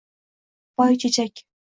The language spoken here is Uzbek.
Boychechak.